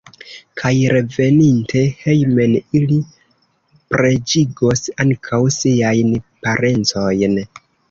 Kaj reveninte hejmen ili preĝigos ankaŭ siajn parencojn.